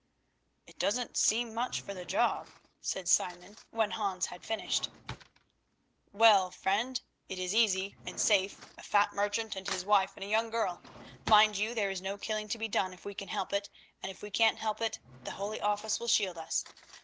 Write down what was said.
"It doesn't seem much for the job," said Simon when Hans had finished. "Well, friend, it is easy and safe; a fat merchant and his wife and a young girl. Mind you, there is no killing to be done if we can help it, and if we can't help it the Holy Office will shield us.